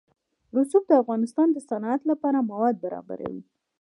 رسوب د افغانستان د صنعت لپاره مواد برابروي.